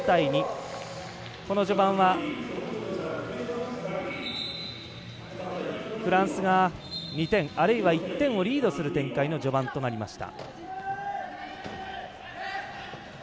この序盤はフランスが２点あるいは１点をリードする展開の序盤となりました。